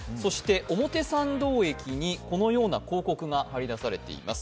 表参道駅にこのような広告が張り出されています。